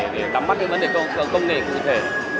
để nắm mắt cái vấn đề công nghệ cụ thể